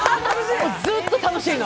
ずっと楽しいの。